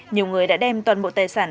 nhiều người đã đem toàn bộ tài sản